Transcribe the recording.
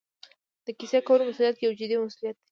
د کیسې کولو مسوولیت یو جدي مسوولیت دی.